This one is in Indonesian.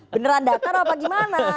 beneran datar apa gimana